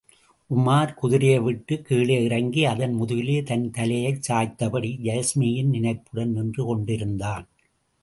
உமார், குதிரையை விட்டுக் கீழே இறங்கி அதன் முதுகிலே தன் தலையைச் சாய்த்தபடி, யாஸ்மியின் நினைப்புடன் நின்று கொண்டிருந்தான்.